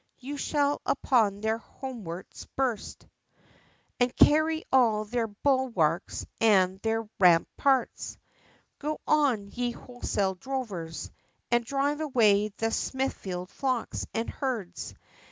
you shall upon their hornworks burst, And carry all their Bull warks and their Ram parts. Go on, ye wholesale drovers! And drive away the Smithfield flocks and herds!